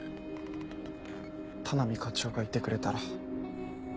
田波課長がいてくれたら。